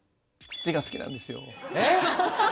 土が好きなんですよ